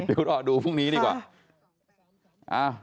ดูนอกออกดูพรุ่งนี้ดีกว่า